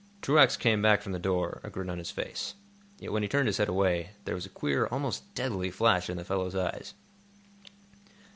Truax came back from the door, a grin on his face. Yet, when he turned his head away, there was a queer, almost deadly flash in the fellow's eyes.